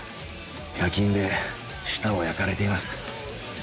焼き印で舌を焼かれています。